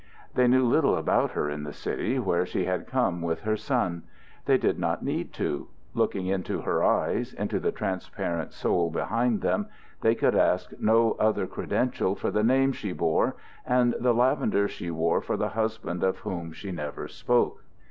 They knew little about her in the city, where she had come with her son. They did not need to. Looking into her eyes, into the transparent soul behind them they could ask no other credential for the name she bore and the lavender she wore for the husband of whom she never spoke.